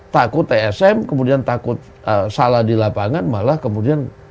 takut tsm kemudian takut salah di lapangan malah kemudian